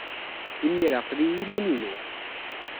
Imir-a, aql-iyi i yiman-inu.